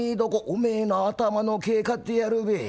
おめえの頭の毛刈ってやるべ。